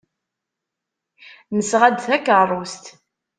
Nesɣa-d takeṛṛust.